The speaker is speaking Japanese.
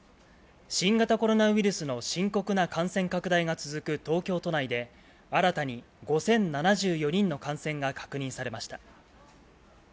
新型コロナウイルスの深刻な感染拡大が続く東京都内で、新たに５０７４人の感染が確認されました。